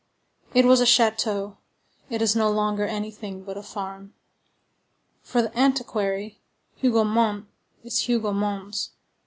It was a château; it is no longer anything but a farm. For the antiquary, Hougomont is Hugomons.